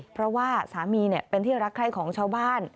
เพราะว่าสามีเป็นที่รักใคร่ของชาวบ้าน